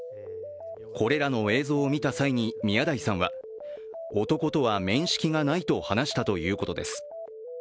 これらの映像を見た際に宮台さんは、男とは面識がないと話したということです。